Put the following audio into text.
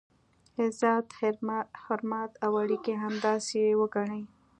عزت، حرمت او اړیکي همداسې وګڼئ.